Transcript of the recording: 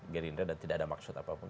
gerindra dan tidak ada maksud apapun